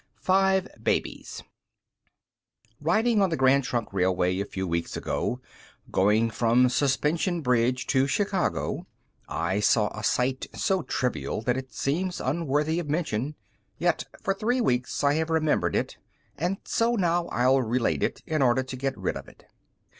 FIVE BABIES Riding on the Grand Trunk Railway a few weeks ago, going from Suspension Bridge to Chicago, I saw a sight so trivial that it seems unworthy of mention. Yet for three weeks I have remembered it, and so now I'll relate it, in order to get rid of it.